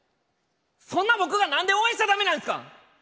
そんな僕が何で応援しちゃ駄目なんですか！？